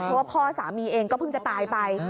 เพราะว่าพ่อสามีเองก็เพิ่งจะตายไป